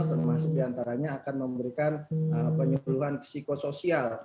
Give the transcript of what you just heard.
termasuk diantaranya akan memberikan penyeluhan psikosoial